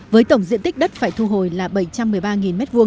với tổng diện tích đất phải thu hồi là bảy trăm một mươi ba m hai